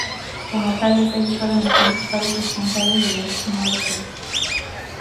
Como tales, ellos fueron los principales responsables de las muertes.